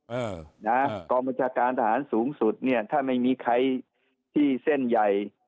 เออนะกองบัญชาการทหารสูงสุดเนี่ยถ้าไม่มีใครที่เส้นใหญ่